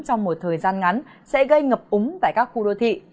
trong một thời gian ngắn sẽ gây ngập úng tại các khu đô thị